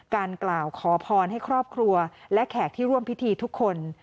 กล่าวขอพรให้ครอบครัวและแขกที่ร่วมพิธีทุกคน